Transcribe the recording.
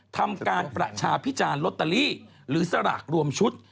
ทำการประชาพิจารณ์ลอตเตอรี่หรือสลากรวมชุด